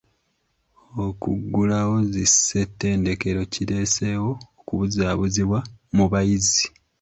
Okuggulawo zi ssettendekero kireeseewo okubuzaabuzibwa mu bayizi.